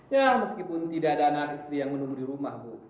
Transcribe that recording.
ya meskipun tidak ada anak istri yang menunggu di rumah bu